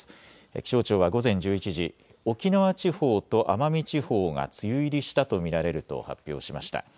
気象庁は午前１１時、沖縄地方と奄美地方が梅雨入りしたと見られると発表しました。